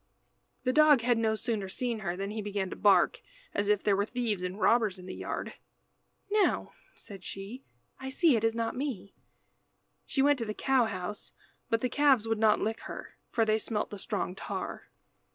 The dog had no sooner seen her than he began to bark, as if there were thieves and robbers in the yard. "Now," said she, "I see it is not me." She went to the cow house but the calves would not lick her, for they smelt the strong tar.